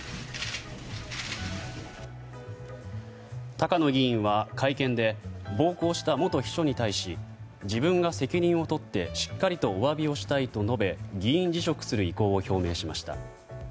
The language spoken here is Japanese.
高野議員は会見で暴行した元秘書に対し自分が責任を取ってしっかりとお詫びをしたいと述べ議員辞職する意向を表明しました。